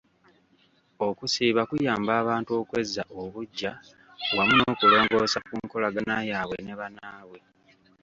Okusiiba kuyamba abantu okwezza obuggya wamu n'okulongoosa ku nkolagana yaabwe ne bannaabwe.